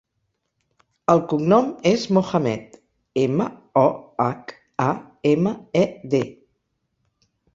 El cognom és Mohamed: ema, o, hac, a, ema, e, de.